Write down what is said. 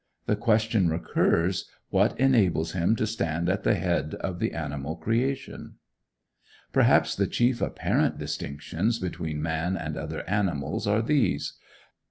The question recurs, What enables him to stand at the head of the animal creation? Perhaps the chief apparent distinctions between man and other animals are these: 1.